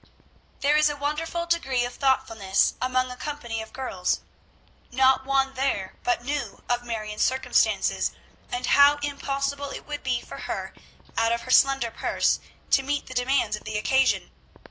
There is a wonderful degree of thoughtfulness among a company of girls. Not one there but knew of Marion's circumstances, and how impossible it would be for her, out of her slender purse, to meet the demands of the occasion.